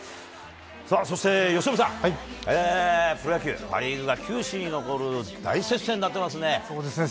そして由伸さん、プロ野球、パ・リーグが球史に残る大接戦になっていますね。